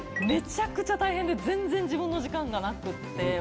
めちゃくちゃ大変で、全然自分の時間がなくって。